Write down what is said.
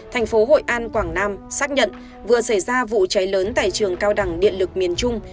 thành phố hội an quảng nam xác nhận vừa xảy ra vụ cháy lớn tại trường cao đẳng điện lực miền trung